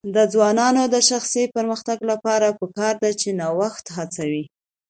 د ځوانانو د شخصي پرمختګ لپاره پکار ده چې نوښت هڅوي.